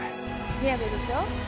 宮部部長